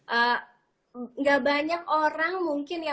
enggak banyak orang mungkin ya